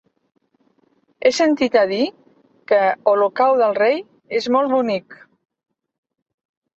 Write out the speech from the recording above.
He sentit a dir que Olocau del Rei és molt bonic.